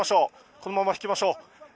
このまま引きましょう。